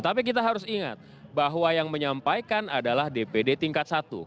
tapi kita harus ingat bahwa yang menyampaikan adalah dpd tingkat satu